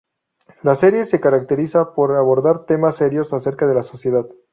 La serie se caracteriza por abordar temas serios acerca de la sociedad.